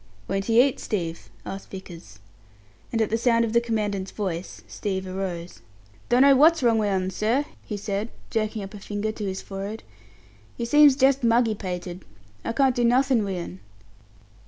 "Won't he eat, Steve?" asked Vickers. And at the sound of the Commandant's voice, Steve arose. "Dunno what's wrong wi' 'un, sir," he said, jerking up a finger to his forehead. "He seems jest muggy pated. I can't do nothin' wi' 'un."